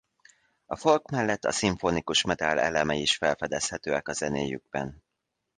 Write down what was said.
A folk mellett a szimfonikus metal elemei is felfedezhetőek a zenéjükben.